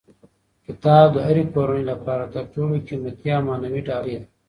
کتاب د هرې کورنۍ لپاره تر ټولو قیمتي او معنوي ډالۍ ده.